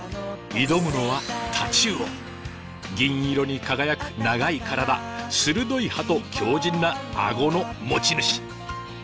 挑むのは銀色に輝く長い体鋭い歯と強じんな顎の持ち主。